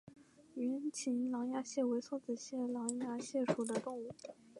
圆形狼牙蟹为梭子蟹科狼牙蟹属的动物。